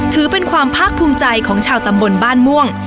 ถือเป็นความภาคภูมิใจของชาวตำบลบ้านม่วง